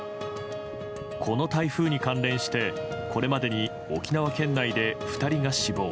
この台風に関連してこれまでに沖縄県内で２人が死亡。